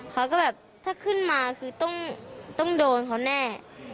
เขาก็แบบถ้าขึ้นมาคือต้องโดนเขาแน่